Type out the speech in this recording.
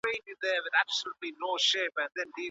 ولي مدام هڅاند د وړ کس په پرتله ډېر مخکي ځي؟